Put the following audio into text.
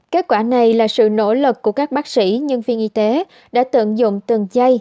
kết quả này là sự nỗ lực của các bác sĩ nhân viên y tế đã tận dụng từng chay